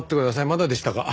まだでしたか？